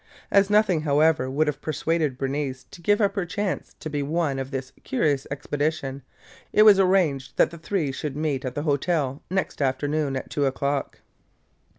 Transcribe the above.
As nothing, however, would have persuaded Bernice to give up her chance to be one of this curious expedition, it was arranged that the three should meet at the hotel next afternoon at two o'clock.